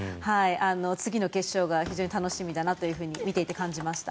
次の決勝が非常に楽しみだなと見ていて感じました。